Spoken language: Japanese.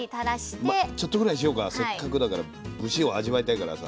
まあちょっとぐらいにしようかせっかくだから節を味わいたいからさ。